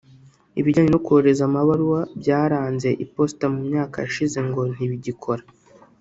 ibijyanye no kohereza amabaruwa byaranze iposita mu myaka yashize ngo ntibigikora